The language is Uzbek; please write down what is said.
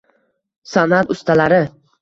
Sanʼat ustalari